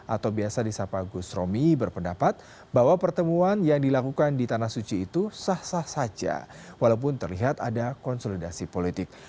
atau biasa di sapa gus romi berpendapat bahwa pertemuan yang dilakukan di tanah suci itu sah sah saja walaupun terlihat ada konsolidasi politik